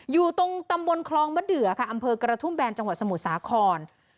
อยู่ตรงตำบลคลองมะเดือค่ะอำเภอกระทุ่มแบนจังหวัดสมุทรสาคร